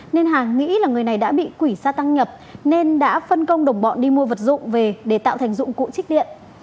nên hà nghĩ là người này đã bị quỷ xa tăng nhập nên đã phân công đồng bọn đi mua vật dụng về để tạo thành dụng cụ trích điện